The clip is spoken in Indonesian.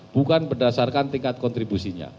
berdasarkan tingkat kontribusinya